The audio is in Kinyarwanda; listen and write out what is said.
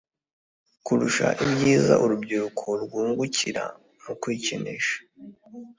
kurusha ibyiza urubyiruko rwungukira mu kwikinisha.